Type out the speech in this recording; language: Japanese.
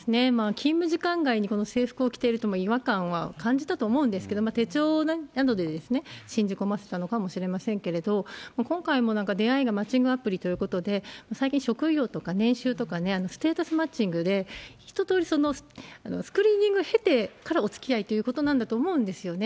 勤務時間外にこの制服を着ていると、違和感は感じたと思うんですけれども、手帳などで信じ込ませたのかもしれませんけれども、今回も、なんか出会いがマッチングアプリということで、最近、職業とか年収とか、ステータスマッチングで、一とおりスクリーニングを経てからお付き合いということなんだと思うんですよね。